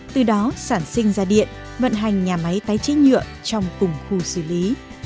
từ đó sản sinh ra điện vận hành nhà máy tái chế nhựa trong cùng khu xử lý